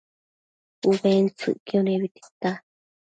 ubentsëcquio nebi tita